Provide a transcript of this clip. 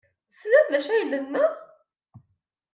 Tesliḍ d acu ay d-tenna?